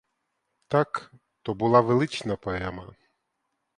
Так, то була велична поема.